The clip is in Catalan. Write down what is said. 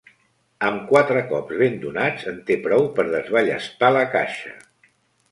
Amb quatre cops ben donats en té prou per desballestar la caixa.